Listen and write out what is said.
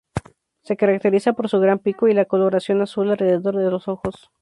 Se caracteriza por su gran pico y la coloración azul alrededor de los ojos.